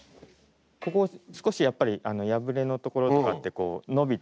ここ少しやっぱり破れの所とかってこう伸びたりとか。